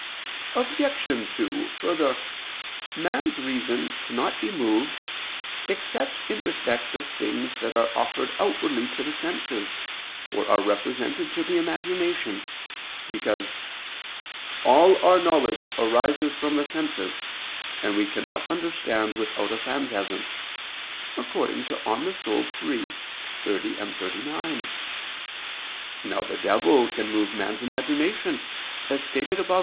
Obj. 2: Further, man's reason cannot be moved except in respect of things that are offered outwardly to the senses, or are represented to the imagination: because "all our knowledge arises from the senses, and we cannot understand without a phantasm" (De Anima iii, text. 30. 39). Now the devil can move man's imagination, as stated above (A.